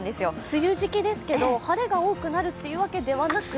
梅雨時期ですけど、晴れが多くなるというわけではなく？